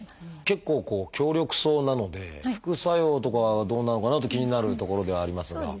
結構強力そうなので副作用とかどうなのかなって気になるところではありますが。